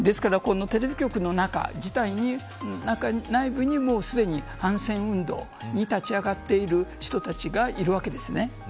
テレビ局の中自体に内部に、すでに反戦運動に立ち上がっている人たちがいるわけです。